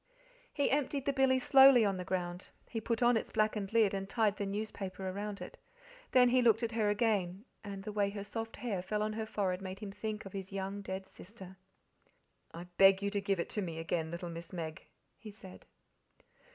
He emptied the billy slowly on the ground, he put on its blackened lid and tied the newspaper around it. Then he looked at her again, and the way her soft hair fell on her forehead made him think of his young dead sister. "I BEG you to give it to me again, little Miss Meg," he said.